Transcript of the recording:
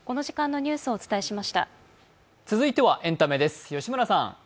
続いてはエンタメです。